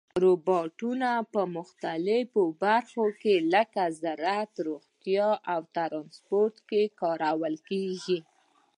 روبوټونه په مختلفو برخو کې لکه زراعت، روغتیا او ترانسپورت کې کارول کېږي.